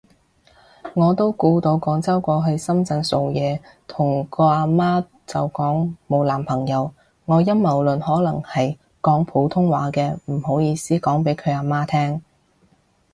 我都估到廣州過去深圳做嘢，同個啊媽就講冇男朋友。，我陰謀論可能係講普通話的，不好意思講畀佢啊媽聼